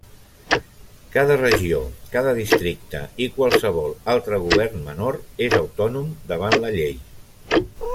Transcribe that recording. Cada regió, cada districte i qualsevol altre govern menor és autònom davant la llei.